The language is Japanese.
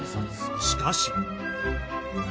しかし。